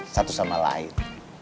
satu sama lain